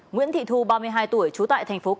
nguyễn thị thu ba mươi hai tuổi trú tại thành phố cà ninh